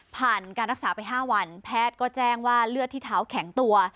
การรักษาไป๕วันแพทย์ก็แจ้งว่าเลือดที่เท้าแข็งตัว